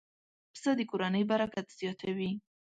پسه د کورنۍ برکت زیاتوي.